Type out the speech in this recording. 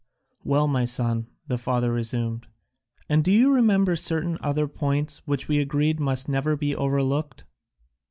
"Well, my son," the father resumed, "and do you remember certain other points which we agreed must never be overlooked?"